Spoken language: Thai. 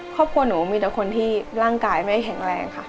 ครอบครัวหนูมีแต่คนที่ร่างกายไม่แข็งแรงค่ะ